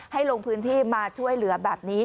ลงพื้นที่มาช่วยเหลือแบบนี้